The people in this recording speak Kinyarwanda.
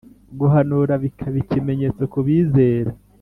guhanura bikaba ikimenyetso ku bizera